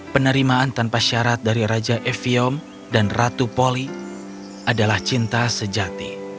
penerimaan tanpa syarat dari raja eviom dan ratu poli adalah cinta sejati